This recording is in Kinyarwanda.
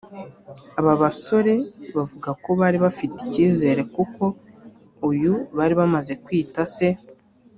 Aba basore bavuga ko bari bafite icyizere kuko uyu bari bamaze kwita se